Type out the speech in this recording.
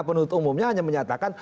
penuntut umumnya hanya menyatakan